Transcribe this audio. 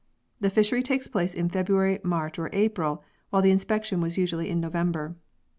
The fishery takes place in February, March or April, while the inspection was usually in November.